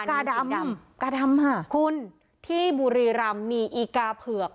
กาดำกาดำค่ะคุณที่บุรีรำมีอีกาเผือก